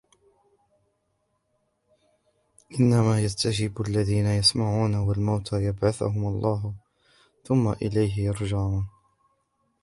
إنما يستجيب الذين يسمعون والموتى يبعثهم الله ثم إليه يرجعون